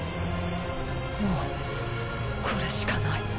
もうこれしか無い。